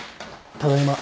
ただいま。